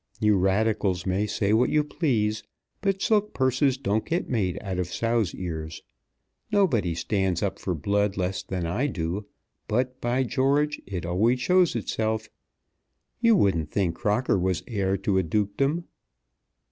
You Radicals may say what you please, but silk purses don't get made out of sow's ears. Nobody stands up for blood less than I do; but, by George, it always shows itself. You wouldn't think Crocker was heir to a dukedom."